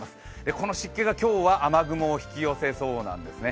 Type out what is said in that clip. この湿気が今日は雨雲を引き寄せそうなんですね。